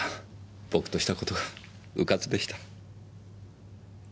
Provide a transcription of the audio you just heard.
僕とした事がうかつでした。